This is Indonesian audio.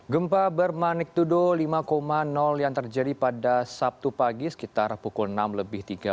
gempa bermagnitudo lima yang terjadi pada sabtu pagi sekitar pukul enam lebih tiga puluh